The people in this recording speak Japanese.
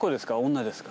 女ですか？